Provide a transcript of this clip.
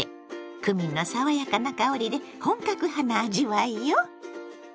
クミンの爽やかな香りで本格派な味わいよ。